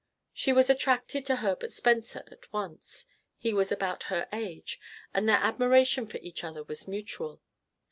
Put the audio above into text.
She was attracted to Herbert Spencer at once. He was about her age, and their admiration for each other was mutual.